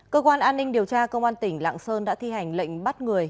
cơ quan an ninh điều tra công an tỉnh lạng sơn đã thi hành lệnh bắt người